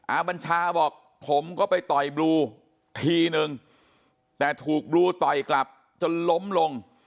บัญชาบอกผมก็ไปต่อยบลูทีนึงแต่ถูกบลูต่อยกลับจนล้มลง